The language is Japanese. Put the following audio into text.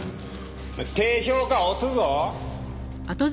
低評価押すぞ！